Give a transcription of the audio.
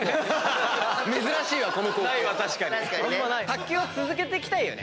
卓球を続けていきたいよね。